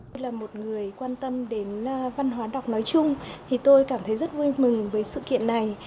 tôi là một người quan tâm đến văn hóa đọc nói chung thì tôi cảm thấy rất vui mừng với sự kiện này